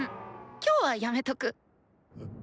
今日はやめとく。